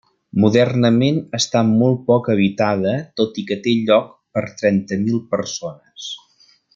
Modernament està molt poc habitada tot i que té lloc per trenta mil persones.